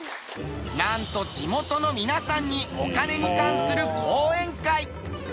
なんと地元の皆さんにお金に関する講演会。